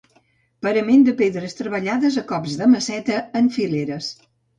Parament de pedres treballades a cops de maceta en fileres.